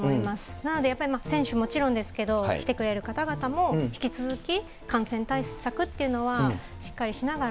なので、やっぱり選手はもちろんですけれども、来てくれる方々も、引き続き感染対策っていうのはしっかりしながら、